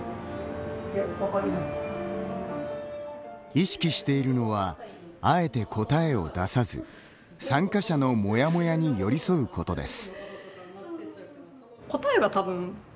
意識しているのはあえて答えを出さず参加者のモヤモヤに寄り添うことです。